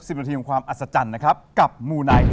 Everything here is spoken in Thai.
นาทีของความอัศจรรย์นะครับกับมูไนท์